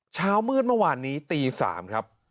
เช้ามืดเมื่อวานนี้ตี๓ครับ